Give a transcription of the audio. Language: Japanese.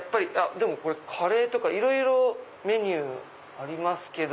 でもカレーとかいろいろメニューがありますけど。